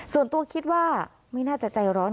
ส่วนตัวคิดว่าไม่น่าจะใจร้อน